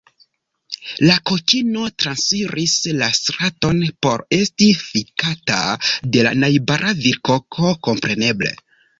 La kokino transiris la straton por esti fikata de la najbara virkoko, kompreneble.